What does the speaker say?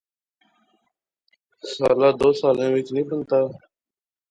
سالا دو سالیں وچ نی بنتا